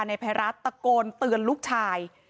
นายพระรัชน์ตะโกนเตือนลูกชาย